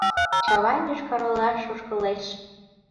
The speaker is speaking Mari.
Чавайн Йошкар-Олаш ошкылеш.